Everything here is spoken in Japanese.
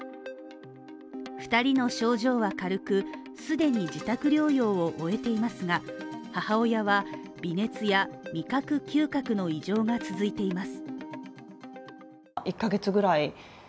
２人の症状は軽く既に自宅療養を終えていますが母親は微熱や味覚・嗅覚の異常が続いています。